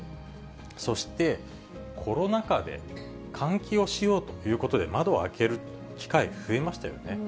そして、コロナ禍で換気をしようということで、窓を開ける機会、増えましたよね。